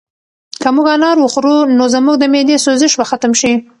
که موږ انار وخورو نو زموږ د معدې سوزش به ختم شي.